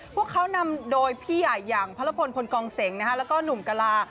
พวกเขานำโดยพี่ใหญ่อย่างพระรพลพลกองเสียงแล้วก็หนุ่มกะลา